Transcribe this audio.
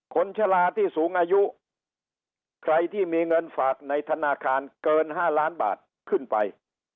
ชาลาที่สูงอายุใครที่มีเงินฝากในธนาคารเกิน๕ล้านบาทขึ้นไป